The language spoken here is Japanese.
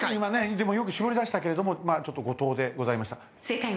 でもよく絞り出したけれどもちょっと誤答でございました。